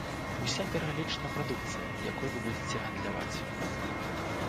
Уся пералічана прадукцыя, якой вы будзеце гандляваць.